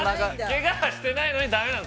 ◆けがはしてないのにだめなんだ。